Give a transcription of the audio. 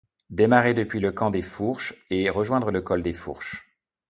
Démarrer depuis le Camp des Fourches, et rejoindre le Col des Fourches.